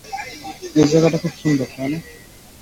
এই জায়গাটা খুব সুন্দর, তাই না?